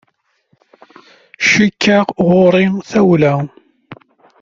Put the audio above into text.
Cikkeɣ ɣur-i tawla.